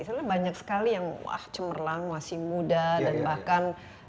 sebenarnya banyak sekali yang wah cemerlang masih muda dan bahan bahan